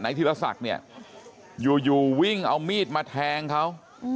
ธีรศักดิ์เนี่ยอยู่วิ่งเอามีดมาแทงเขา